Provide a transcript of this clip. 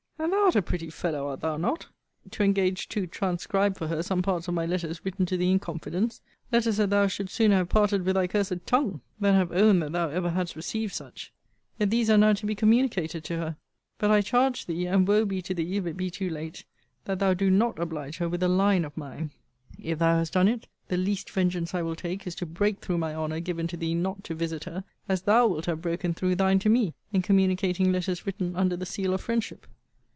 And thou art a pretty fellow, art thou not? to engage to transcribe for her some parts of my letters written to thee in confidence? Letters that thou shouldest sooner have parted with thy cursed tongue, than have owned that thou ever hadst received such: yet these are now to be communicated to her! But I charge thee, and woe be to thee if it be too late! that thou do not oblige her with a line of mine. If thou hast done it, the least vengeance I will take is to break through my honour given to thee not to visit her, as thou wilt have broken through thine to me, in communicating letters written under the seal of friendship.